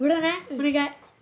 お願い！